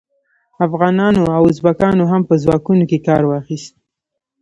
افغانانو او ازبکانو هم په ځواکونو کې کار واخیست.